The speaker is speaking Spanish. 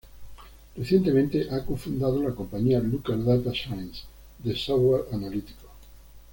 Recientemente ha co-fundado la compañía Looker Data Sciences de software analítico.